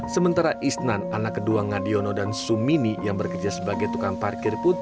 sementara isnan anak kedua ngadiono dan sumini yang bekerja sebagai tukang parkir pun